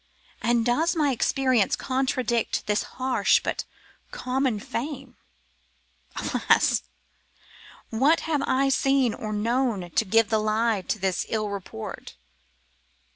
And does my experience contradict this harsh but common fame? Alas! what have I seen or known to give the lie to this ill report?